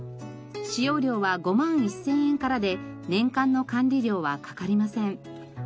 使用料は５万１０００円からで年間の管理料はかかりません。